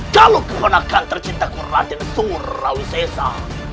kalau kebenakan tercinta kurat dan surrawi sehsa